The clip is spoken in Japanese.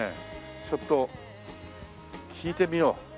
ちょっと聞いてみよう。